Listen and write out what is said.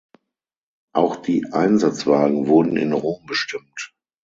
Auch die Einsatzwagen wurden in Rom bestimmt.